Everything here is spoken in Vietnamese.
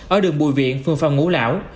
ở đường bùi viện phương phòng ngũ lão